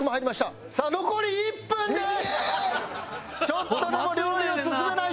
ちょっとでも料理を進めないと！